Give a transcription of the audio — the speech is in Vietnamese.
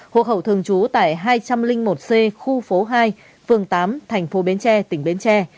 hộ khẩu thường trú tại hai trăm linh một c khu phố hai phường tám thành phố bến tre tỉnh bến tre